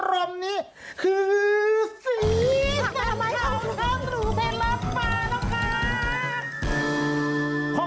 สวัสดีครับ